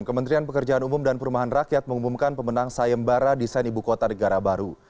kementerian pekerjaan umum dan perumahan rakyat mengumumkan pemenang sayembara desain ibu kota negara baru